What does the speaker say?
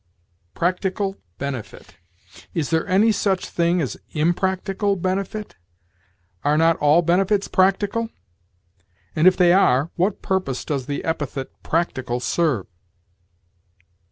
"Practical benefit"! Is there any such thing as impractical benefit? Are not all benefits practical? and, if they are, what purpose does the epithet practical serve?